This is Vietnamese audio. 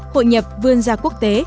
hội nhập vươn ra quốc tế